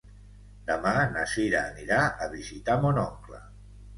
Demà na Cira anirà a visitar mon oncle.